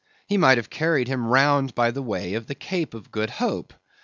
He might have carried him round by the way of the Cape of Good Hope.